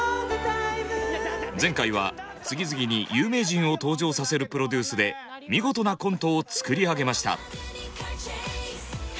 前回は次々に有名人を登場させるプロデュースで見事なコントを作り上げました。